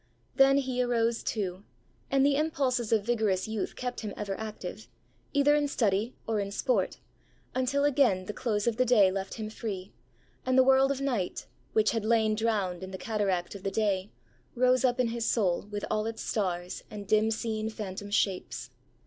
Then he arose too; and the impulses of vigorous youth kept him ever active, either in study or in sport, until again the close of the day left him free; and the world of night, which had lain drowned in the cataract of the day, rose up in his soul, with all its stars, and dim seen phantom shapes.